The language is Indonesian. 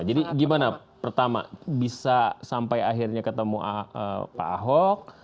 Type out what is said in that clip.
jadi gimana pertama bisa sampai akhirnya ketemu pak ahok